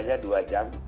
iya dua jam